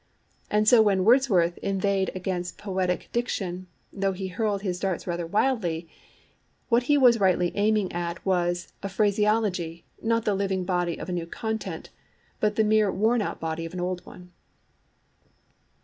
And so when Wordsworth inveighed against poetic diction, though he hurled his darts rather wildly, what he was rightly aiming at was a phraseology, not the living body of a new content, but the mere worn out body of an old one.